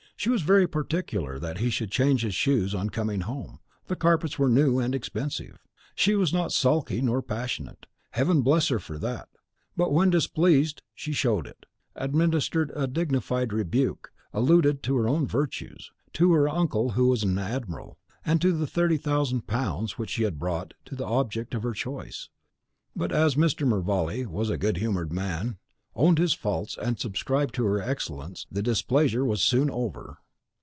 She was very particular that he should change his shoes on coming home, the carpets were new and expensive. She was not sulky, nor passionate, Heaven bless her for that! but when displeased she showed it, administered a dignified rebuke, alluded to her own virtues, to her uncle who was an admiral, and to the thirty thousand pounds which she had brought to the object of her choice. But as Mr. Mervale was a good humoured man, owned his faults, and subscribed to her excellence, the displeasure was soon over.